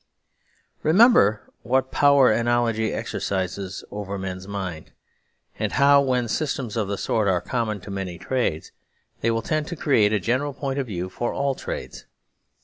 Remember what power analogy exercises over men's minds, and how, when systems of the sort are common to many trades, they will tend to create a general point of view for all trades.